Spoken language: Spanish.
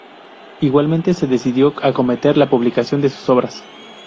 Igualmente, se decidió acometer la publicación de sus obras.